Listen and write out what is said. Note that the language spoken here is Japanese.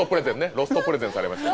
ロストプレゼンされました。